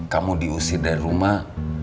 kamu diusir dari rumah